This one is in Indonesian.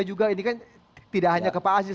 juga ini kan tidak hanya ke pak aziz